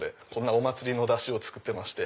お祭りの山車を作ってまして。